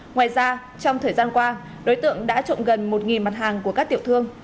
ngoài ra trong thời gian qua đối tượng đã trộm gần một mặt hàng của các tiểu thương